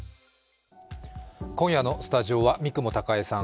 今夜のスタジオは三雲孝江さん